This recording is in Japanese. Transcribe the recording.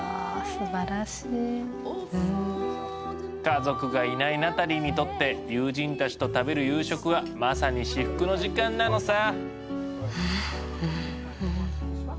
家族がいないナタリーにとって友人たちと食べる夕食はまさに至福の時間なのさ。